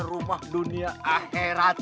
rumah dunia aherat